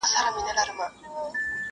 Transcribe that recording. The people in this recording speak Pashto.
له دوو غټو ښکلیو سترګو٫